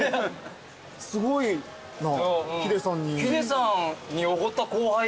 すごいな。